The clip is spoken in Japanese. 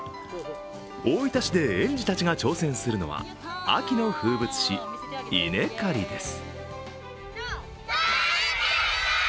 大分市で園児たちが挑戦するのは秋の風物詩、稲刈りです。